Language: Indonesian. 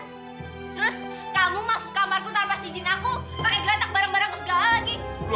terus kamu masuk kamar gue tanpa izin aku pakai geretak bareng bareng terus gak lagi